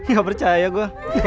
gak percaya gua